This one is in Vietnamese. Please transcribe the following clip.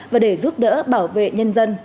và để giúp đỡ bảo vệ nhân dân